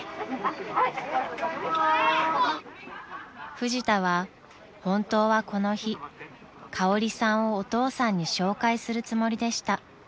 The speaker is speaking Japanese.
［フジタは本当はこの日かおりさんをお父さんに紹介するつもりでした］